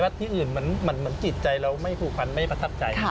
ที่อื่นเหมือนจิตใจเราไม่ผูกพันไม่ประทับใจ